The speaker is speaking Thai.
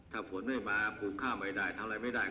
ถ้าฝนไม่มาปลูกข้าวไม่ได้ทำอะไรไม่ได้